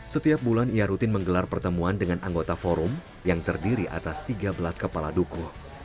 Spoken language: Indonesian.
setiap bulan ia rutin menggelar pertemuan dengan anggota forum yang terdiri atas tiga belas kepala duku